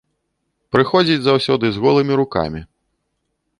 Прыходзіць заўсёды з голымі рукамі.